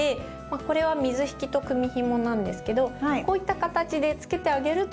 これは水引と組みひもなんですけどこういった形でつけてあげると。わすごい！